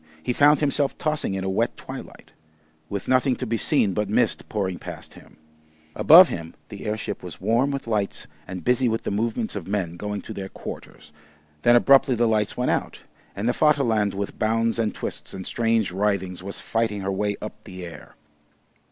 He found himself tossing in a wet twilight, with nothing to be seen but mist pouring past him. Above him the airship was warm with lights and busy with the movements of men going to their quarters. Then abruptly the lights went out, and the Vaterland with bounds and twists and strange writhings was fighting her way up the air.